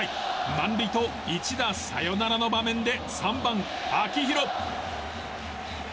満塁と一打サヨナラの場面で３番、秋広。